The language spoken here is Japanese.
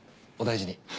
お大事に。